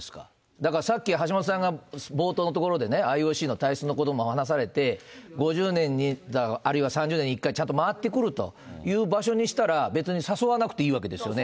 だから、さっき橋下さんが冒頭のところでね、ＩＯＣの体質のことも話されて、５０年に、あるいは３０年に１回、ちゃんと回ってくるという場所にしたら、別に、誘わなくていいわけですよね。